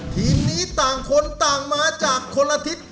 ทีมนี้ต่างคนต่างมาจากคนละทิศ